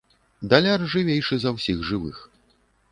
Даляр жывейшы за ўсіх жывых.